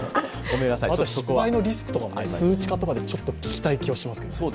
失敗のリスクとかも、数値化とかでちょっと聞きたい気はしますが。